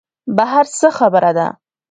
بهر څه خبره ده.